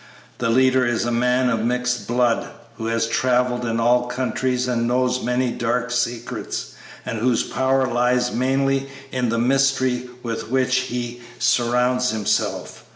The leader is a man of mixed blood, who has travelled in all countries and knows many dark secrets, and whose power lies mainly in the mystery with which he surrounds himself.